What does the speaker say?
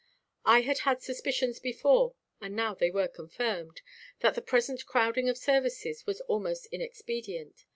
I had had suspicions before, and now they were confirmed that the present crowding of services was most inexpedient.